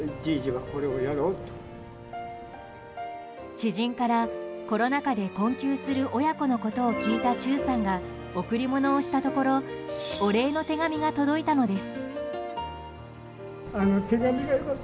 知人からコロナ禍で困窮する親子のことを聞いた忠さんが贈り物をしたところお礼の手紙が届いたのです。